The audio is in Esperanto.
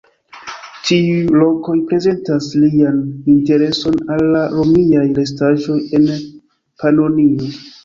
Tiuj lokoj prezentas lian intereson al la romiaj restaĵoj en Panonio.